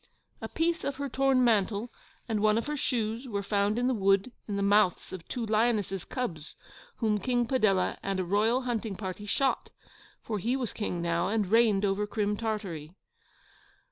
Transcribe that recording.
A piece of her torn mantle and one of her shoes were found in the wood in the mouths of two lionesses' cubs whom KING PADELLA and a royal hunting party shot for he was King now, and reigned over Crim Tartary.